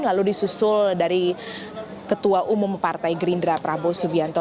lalu disusul dari ketua umum partai gerindra prabowo subianto